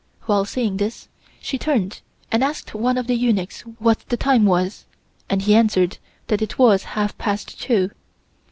While saying this she turned and asked one of the eunuchs what the time was, and he answered that it was half past two.